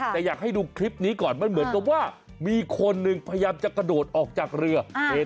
แต่อยากให้ดูคลิปนี้ก่อนมันเหมือนกับว่ามีคนหนึ่งพยายามจะกระโดดออกจากเรือ